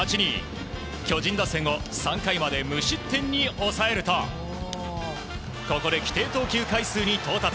巨人打線を３回まで無失点に抑えるとここで規定投球回数に到達。